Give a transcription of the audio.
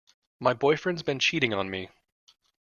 My boyfriend's been cheating on me.